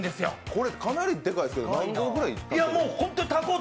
これ、かなりでかいですけど何合ぐらい？